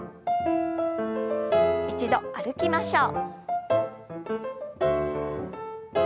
一度歩きましょう。